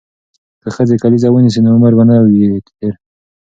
که ښځې کلیزه ونیسي نو عمر به نه وي هیر.